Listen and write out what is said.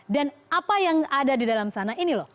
dan apa yang ada di dalam sana ini loh